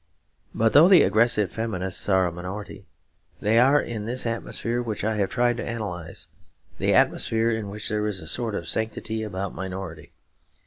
But though the aggressive feminists are a minority, they are in this atmosphere which I have tried to analyse; the atmosphere in which there is a sort of sanctity about the minority.